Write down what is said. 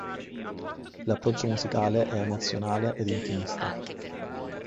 L'approccio musicale è emozionale ed intimista.